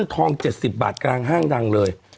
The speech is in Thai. ทอง๗๐บาทกลางห้างดังเลย